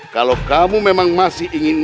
kalau kamu memang masih ingin